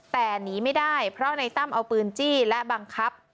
แต่หนีไม่ได้เพราะในตั้มเอาปืนจี้และบังคับ